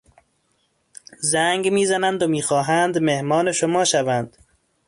زنگ می زنند و می خواهند مهمان شما شوند.